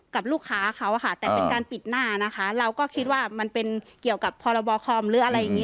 กับลูกค้าเขาอะค่ะแต่เป็นการปิดหน้านะคะเราก็คิดว่ามันเป็นเกี่ยวกับพรบคอมหรืออะไรอย่างนี้